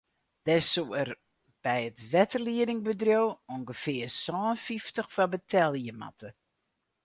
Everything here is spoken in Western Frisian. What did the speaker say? Dêr soed er by it wetterliedingbedriuw ûngefear sân fyftich foar betelje moatte.